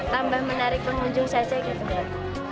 tambah menarik pengunjung saja